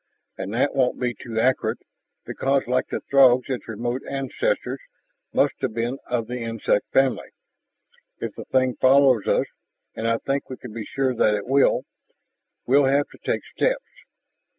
And that won't be too accurate, because like the Throgs its remote ancestors must have been of the insect family. If the thing follows us, and I think we can be sure that it will, we'll have to take steps.